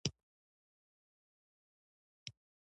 افغانستان په زراعت غني دی.